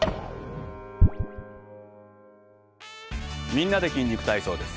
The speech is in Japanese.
「みんなで筋肉体操」です。